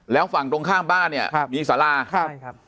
แล้วฝั่งตรงข้างบ้านเนี่ยครับมีสาราครับ